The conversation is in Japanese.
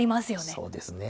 そうですね。